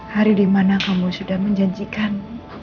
hari dimana kamu sudah menjanjikan